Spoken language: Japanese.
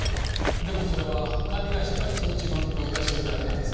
でもそれは管理会社が一日分録画してるだけなんです。